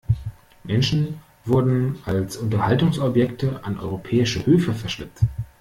Menschen wurden als Unterhaltungsobjekte an europäische Höfe verschleppt.